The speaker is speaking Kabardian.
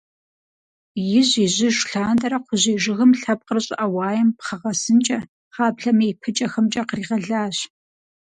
Ижь-ижьыж лъандэрэ кхъужьей жыгым лъэпкъыр щӀыӀэ-уаем пхъэ гъэсынкӀэ, гъаблэми и пыкӀэхэмкӀэ къригъэлащ.